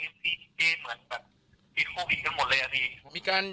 บางทีเขาก็กินเช่นแค่แก้วชอบแก้วเดียวกันน่าจะมีมีมีอยู่บ้างที